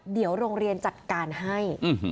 เดี๋ยวโรงเรียนจัดการให้